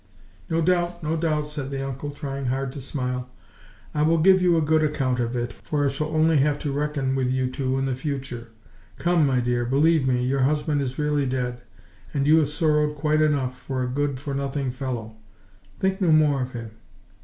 "No doubt, no doubt," said the uncle, trying hard to smile. "I will give you a good account of it, for I shall only have to reckon with you two in future. Come, my dear, believe me, your husband is really dead, and you have sorrowed quite enough for a good for nothing fellow. Think no more of him."